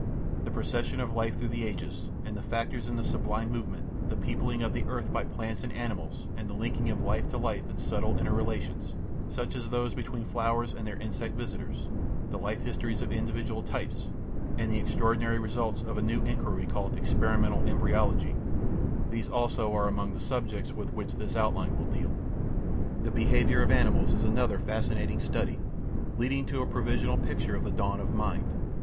The procession of life through the ages and the factors in the sublime movement; the peopling of the earth by plants and animals and the linking of life to life in subtle inter relations, such as those between flowers and their insect visitors; the life histories of individual types and the extraordinary results of the new inquiry called "experimental embryology" these also are among the subjects with which this OUTLINE will deal. The behaviour of animals is another fascinating study, leading to a provisional picture of the dawn of mind.